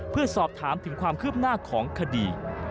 เพื่อสอบถามถึงความคืบหน้าของคดี